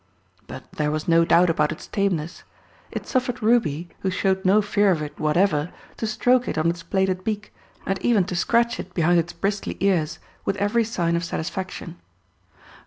But there was no doubt about its tameness. It suffered Ruby, who showed no fear of it whatever, to stroke it on its plated beak, and even to scratch it behind its bristly ears, with every sign of satisfaction.